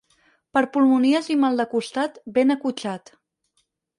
Per pulmonies i mal de costat, ben acotxat.